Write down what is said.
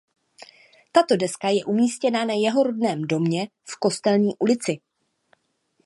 Tato deska je umístěna na jeho rodném domě v Kostelní ulici.